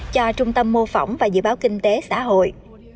cho trung tâm mô phỏng và dự báo kinh tế xã hội